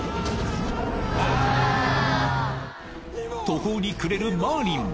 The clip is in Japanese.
途方に暮れるマーリン